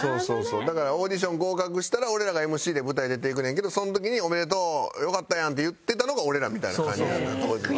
だからオーディション合格したら俺らがＭＣで舞台出ていくねんけどその時に「おめでとうよかったやん」って言ってたのが俺らみたいな感じやった当時は。